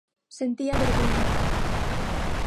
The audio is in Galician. Sentía vergoña.